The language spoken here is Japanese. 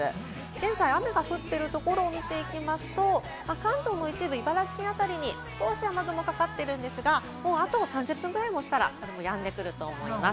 現在、雨が降っているところを見ていきますと、関東の一部、茨城県辺りに少し雨雲がかかっているんですが、あと３０分ぐらいもしたら、やんでくると思います。